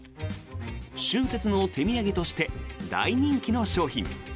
春節の手土産として大人気の商品。